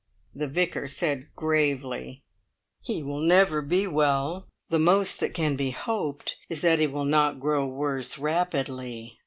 The Vicar said gravely: "He will never be well. The most that can be hoped is that he will not grow worse rapidly.